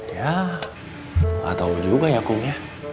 ya nggak tahu juga ya kum ya